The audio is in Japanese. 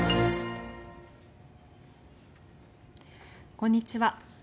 こんにちは。